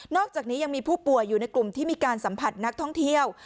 อกจากนี้ยังมีผู้ป่วยอยู่ในกลุ่มที่มีการสัมผัสนักท่องเที่ยว